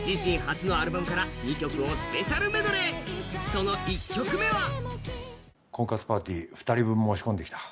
その１曲目は婚活パーティー、２人分申し込んできた。